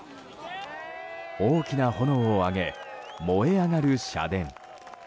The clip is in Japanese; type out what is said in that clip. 大きな炎を上げ燃え上がる社殿。